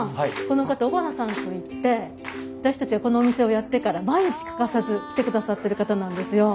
この方尾花さんといって私たちがこのお店をやってから毎日欠かさず来てくださってる方なんですよ。